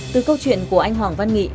từ câu chuyện của anh hoàng văn nghị